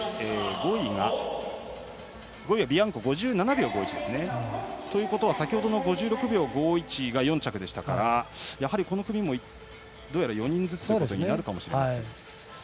５位が５７秒５１。ということは先ほどの５６秒５１が４着でしたからやはりこの組もどうやら４人ずつとなるかもしれません。